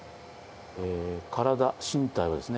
体身体はですね